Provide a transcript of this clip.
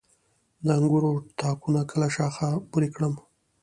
د انګورو تاکونه کله شاخه بري کړم؟